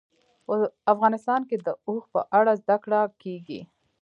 افغانستان کې د اوښ په اړه زده کړه کېږي.